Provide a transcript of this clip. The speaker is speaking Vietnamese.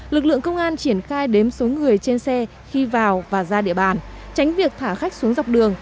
lực lượng công an triển khai đếm số người trên xe khi vào và ra địa bàn tránh việc thả khách xuống dọc đường